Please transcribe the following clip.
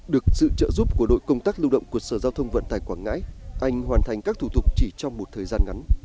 được sự trợ giúp của đội công tác lưu động của sở giao thông vận tải quảng ngãi anh hoàn thành các thủ tục chỉ trong một thời gian ngắn